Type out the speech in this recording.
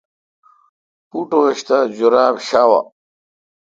پوٹوش تہ جراب شاوہ۔